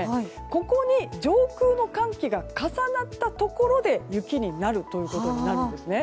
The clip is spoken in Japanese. ここに上空の寒気が重なったところで雪になるということになるんですね。